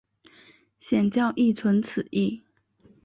显教亦存此义。